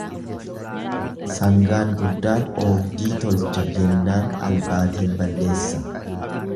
"""Sangaa guddaan oogdii tolcha"" jennaan albaatiin balleessa."